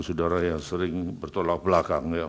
saudara yang sering bertolak belakang ya